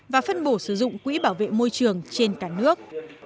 và phân bổ sử dụng quỹ bảo vệ môi trường trên cả nước